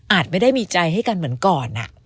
ไม่ได้มีใจให้กันเหมือนก่อน